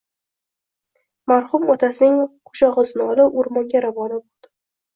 Marhum otasining qoʻshogʻizini olib, oʻrmonga ravona boʻldi.